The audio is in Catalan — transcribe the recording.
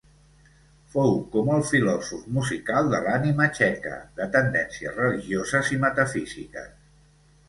Fou com el filòsof musical de l'ànima txeca, de tendències religioses i metafísiques.